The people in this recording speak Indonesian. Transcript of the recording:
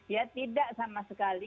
ya tidak sama sekali